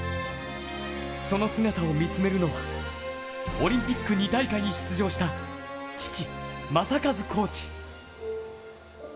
その姿を見つめるのは、オリンピック２大会に出場した父・正和コーチ。